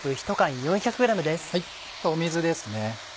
水ですね。